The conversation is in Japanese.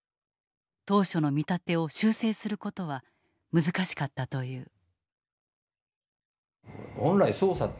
当初の見立てを修正する事は難しかったという。